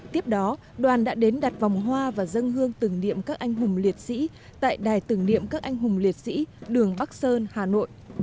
tiếp đó đoàn đã đến đặt vòng hoa và dân hương tưởng niệm các anh hùng liệt sĩ tại đài tưởng niệm các anh hùng liệt sĩ đường bắc sơn hà nội